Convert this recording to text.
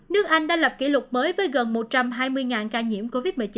nước anh đã lập kỷ lục mới với gần một trăm linh ca nhiễm covid một mươi chín